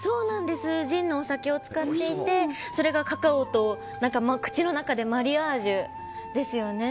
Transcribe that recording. ジンのお酒を使っていてそれがカカオと口の中でマリアージュですよね。